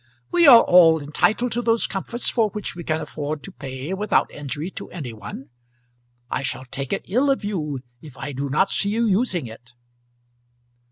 "We are all entitled to those comforts for which we can afford to pay without injury to any one. I shall take it ill of you if I do not see you using it."